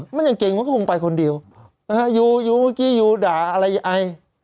มันยังเก่งมันก็คงไปคนเดียวอยู่อยู่เมื่อกี้อยู่ด่าอะไรไอ